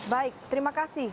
baik terima kasih